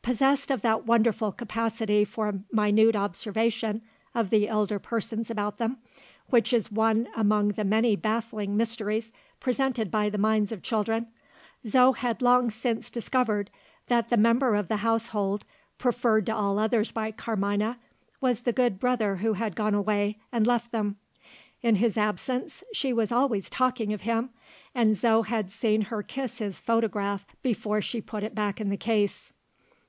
Possessed of that wonderful capacity for minute observation of the elder persons about them, which is one among the many baffling mysteries presented by the minds of children, Zo had long since discovered that the member of the household, preferred to all others by Carmina, was the good brother who had gone away and left them. In his absence, she was always talking of him and Zo had seen her kiss his photograph before she put it back in the case.